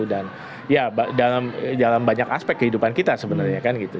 dan ya dalam banyak aspek kehidupan kita sebenarnya kan gitu